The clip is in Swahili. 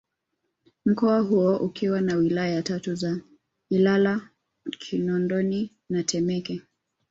Mkoa huo ukiwa na Wilaya tatu za Ilala Kinondoni na Temeke